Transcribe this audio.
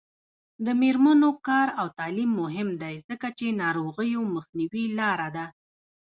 د میرمنو کار او تعلیم مهم دی ځکه چې ناروغیو مخنیوي لاره ده.